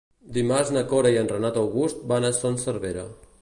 Dimarts na Cora i en Renat August van a Son Servera.